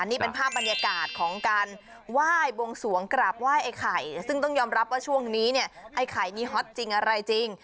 นี่เป็นภาพบรรยากาศของการไหว้บวงสวงกราบไหว้ไอ้ไข่ซึ่งต้องยอมรับว่าช่วงนี้เนี่ยไอ้ไข่นี้ฮอตจริงอะไรจริง